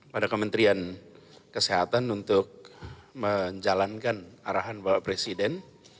pada kementerian kesehatan untuk menjalankan arahan bapak presiden